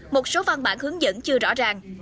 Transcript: một số văn bản hướng dẫn chưa rõ ràng